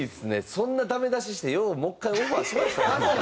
そんなダメ出ししてようもう１回オファーしましたね。